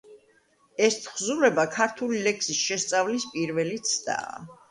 ეს თხზულება ქართული ლექსის შესწავლის პირველი ცდაა.